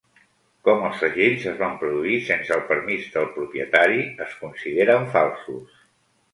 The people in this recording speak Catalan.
Com els segells es van produir sense el permís del propietari, es consideren falsos.